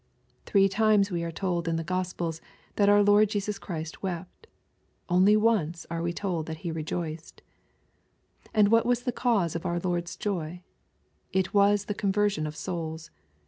Three times we are told in the Gospels that our Lord Jesus Christ wept. Once only we are told that He rejoiced. And what was the cause of our Lord's joy ? It was the conversion of souls.